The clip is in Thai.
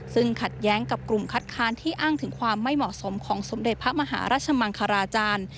ซึ่งขัดแย้งกับกลุ่มคัดค้านที่อ้างถึงความไม่เหมาะสมของสมเด็จพระมหาราชมังคลาจารย์